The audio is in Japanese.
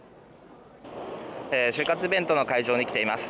就活イベントの会場に来ています。